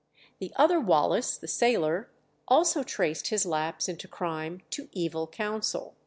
The other Wallace, the sailor, also traced his lapse into crime to evil counsel.